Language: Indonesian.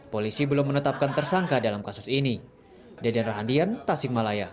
polisi belum menetapkan tersangka dalam kasus ini